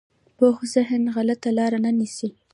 پوخ ذهن غلطه لاره نه نیسي